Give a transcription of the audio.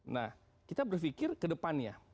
nah kita berpikir ke depannya